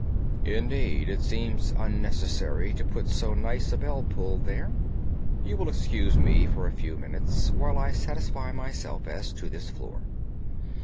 "Indeed, it seemed unnecessary to put so nice a bell pull there. You will excuse me for a few minutes while I satisfy myself as to this floor."